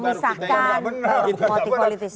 orang orang yang tidak benar